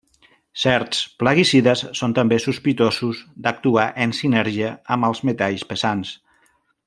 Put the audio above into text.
Certs plaguicides són també sospitosos d'actuar en sinergia amb els metalls pesants.